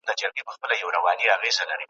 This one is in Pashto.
تا ته اوس هم شرابونه قمارونه `